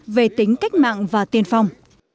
về tính cách mạng và tiên phong